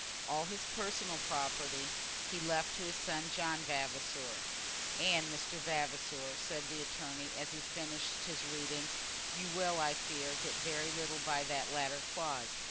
All his personal property he left to his son, John Vavasor. "And, Mr. Vavasor," said the attorney, as he finished his reading, "you will, I fear, get very little by that latter clause.